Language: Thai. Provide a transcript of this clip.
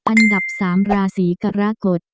อันดับ๓ราศีกรกฎ